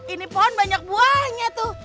ini pohon banyak buahnya tuh